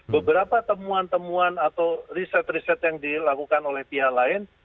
beberapa temuan temuan atau riset riset yang dilakukan oleh pihak lain